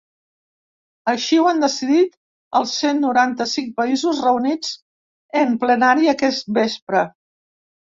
Així ho han decidit els cent noranta-cinc països reunits en plenari aquest vespre.